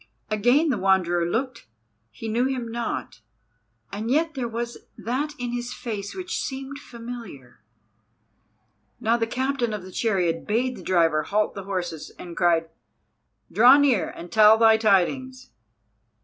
Again the Wanderer looked; he knew him not, and yet there was that in his face which seemed familiar. Now the captain of the chariot bade the driver halt the horses, and cried, "Draw near and tell thy tidings."